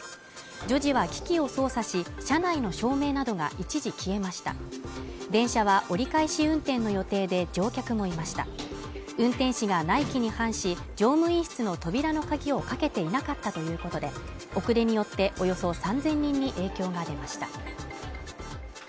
女児は機器を操作し車内の照明などが一時消えました電車は折り返し運転の予定で乗客もいました運転士が内規に反し乗務員室の扉の鍵をかけていなかったということで遅れによっておよそ３０００人に影響が出ました